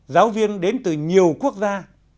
giáo viên đến từ nhiều quốc gia